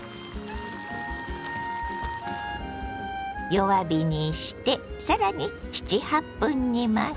弱火にして更に７８分煮ます。